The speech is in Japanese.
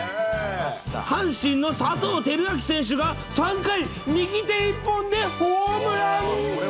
阪神の佐藤輝明選手が３回、右手一本でホームラン。